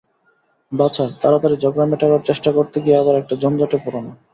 বাছা, তাড়াতাড়ি ঝগড়া মেটাবার চেষ্টা করতে গিয়ে আবার একটা ঝঞ্ঝাটে পোড়ো না।